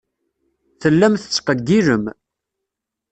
Tellam tettqeyyilem.